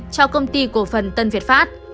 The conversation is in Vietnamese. cho công ty cổ phần tân việt phát